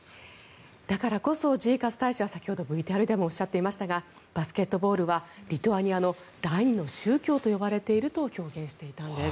だからこそ、ジーカス大使は先ほどＶＴＲでもおっしゃっていましたがバスケットボールはリトアニアの第２の宗教と呼ばれていると表現していたんです。